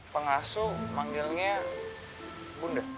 pengasuh manggilnya bunda